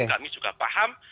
kami juga paham